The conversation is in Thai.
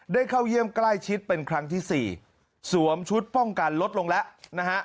เข้าเยี่ยมใกล้ชิดเป็นครั้งที่สี่สวมชุดป้องกันลดลงแล้วนะฮะ